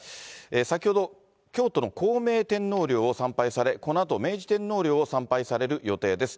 先ほど京都の孝明天皇陵を参拝され、このあと明治天皇陵を参拝される予定です。